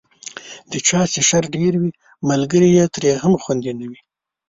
د چا چې شر ډېر وي، ملګری یې ترې هم خوندي نه وي.